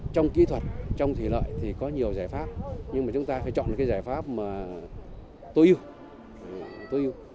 trong kỹ thuật trong thủy loại thì có nhiều giải pháp nhưng mà chúng ta phải chọn cái giải pháp tối ưu